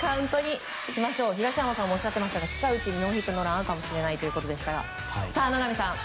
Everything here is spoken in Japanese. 東山さんもおっしゃってましたが近いうちにノーヒットノーランがあるかもしれないということでしたが野上さん